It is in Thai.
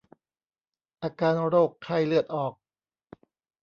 อาการโรคไข้เลือดออก